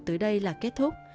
tới đây là kết thúc